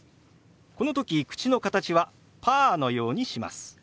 この時口の形はパーのようにします。